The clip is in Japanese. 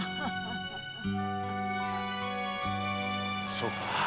そうか。